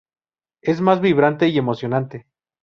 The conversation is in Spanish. Es más vibrante y emocionante.